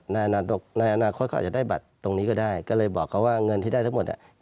ในอนาคตเขาอาจจะได้บัตรตรงนี้ก็ได้ก็เลยบอกเขาว่าเงินที่ได้ทั้งหมดอ่ะ